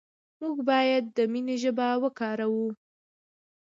موږ باید د مینې ژبه وکاروو.